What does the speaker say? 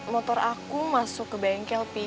motor aku masuk ke bengkel pi